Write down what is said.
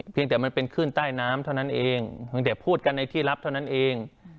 แต่มันเป็นขึ้นใต้น้ำเท่านั้นเองเพียงแต่พูดกันในที่รับเท่านั้นเอง